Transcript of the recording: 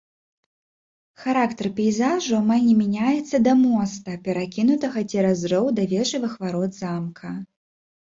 Характар пейзажу амаль не мяняецца да моста, перакінутага цераз роў да вежавых варот замка.